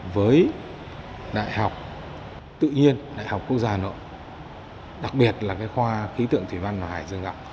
với đại học tự nhiên đại học quốc gia nội đặc biệt là khoa khí tượng thủy văn và hải dương ngọc